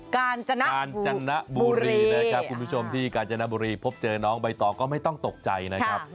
กาญจนบุรีนะครับคุณผู้ชมที่กาญจนบุรีพบเจอน้องใบตองก็ไม่ต้องตกใจนะครับ